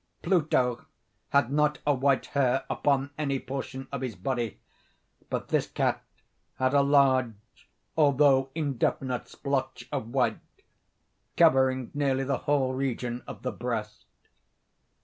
Pluto had not a white hair upon any portion of his body; but this cat had a large, although indefinite splotch of white, covering nearly the whole region of the breast.